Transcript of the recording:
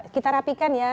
kita rapikan ya